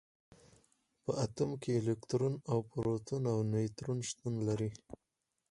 په اتوم کې الکترون او پروټون او نیوټرون شتون لري.